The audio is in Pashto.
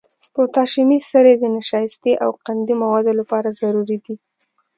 پوتاشیمي سرې د نشایستې او قندي موادو لپاره ضروري دي.